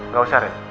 gak usah ren